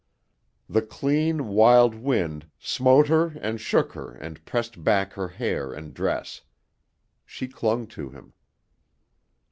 The clean, wild wind smote her and shook her and pressed back her hair and dress. She clung to him.